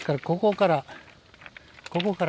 ここから。